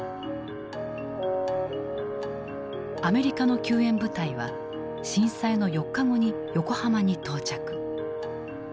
アメリカの救援部隊は震災の４日後に横浜に到着。